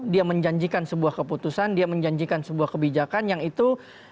dia menjanjikan sebuah keputusan dia menjanjikan sebuah kebijakan yang itu